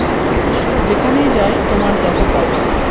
যেখানেই যাই তোমার দেখা পাই।